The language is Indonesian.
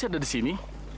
dia pasti ada di sini